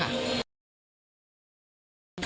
ให้เขากลับมา